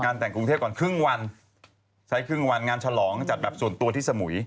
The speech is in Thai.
แต่งกรุงเทพก่อนครึ่งวันใช้ครึ่งวันงานฉลองจัดแบบส่วนตัวที่สมุย